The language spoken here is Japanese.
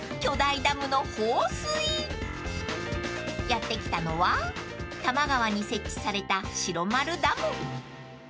［やって来たのは多摩川に設置された白丸ダム］